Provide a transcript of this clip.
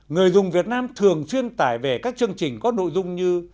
người dùng việt nam thường xuyên tải về các chương trình có nội dung như